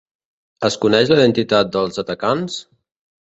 Es coneix la identitat dels atacants?